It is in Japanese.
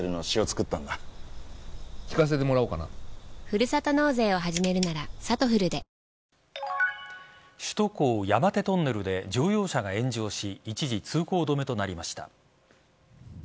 神奈川県で８９５人など首都高、山手トンネルで乗用車が炎上し一時通行止めとなりました。